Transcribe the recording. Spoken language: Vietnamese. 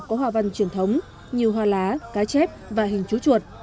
có hoa văn truyền thống như hoa lá cá chép và hình chú chuột